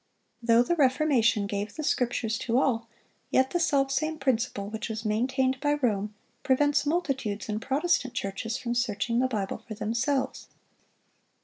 Though the Reformation gave the Scriptures to all, yet the selfsame principle which was maintained by Rome prevents multitudes in Protestant churches from searching the Bible for themselves.